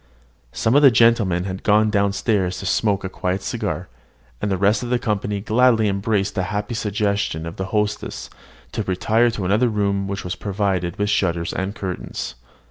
Some of the gentlemen had gone down stairs to smoke a quiet cigar, and the rest of the company gladly embraced a happy suggestion of the hostess to retire into another room which was provided with shutters and curtains.